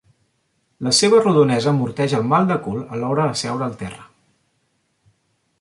La seva rodonesa amorteix el mal de cul a l'hora de seure al terra.